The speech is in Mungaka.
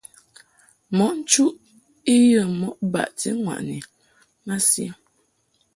Mɔʼ nchuʼ I yə mɔʼ baʼti ŋwaʼni masi.